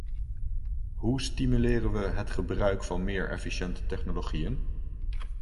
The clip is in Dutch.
Hoe stimuleren we het gebruik van meer efficiënte technologieën?